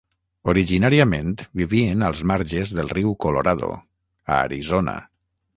Originàriament vivien als marges del riu Colorado, a Arizona.